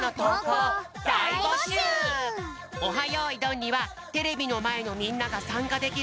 よいどん」にはテレビのまえのみんながさんかできる